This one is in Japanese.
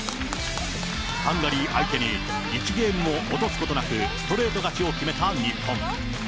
ハンガリー相手に、１ゲームも落とすことなくストレート勝ちを決めた日本。